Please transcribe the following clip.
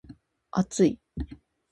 厚い